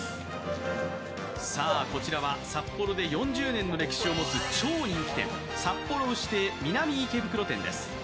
こちらは札幌で４０年の歴史を持つ超人気店、札幌牛亭南池袋店です。